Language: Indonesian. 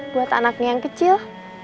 buat anaknya yang kecil